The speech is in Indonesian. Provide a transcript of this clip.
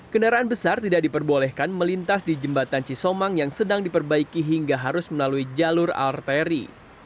kendaraan besar tidak diperbolehkan melintas di jembatan cisomang yang sedang diperbaiki hingga harus melalui jalur arteri